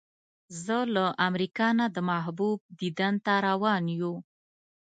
زه له امریکا نه د محبوب دیدن ته روان یو.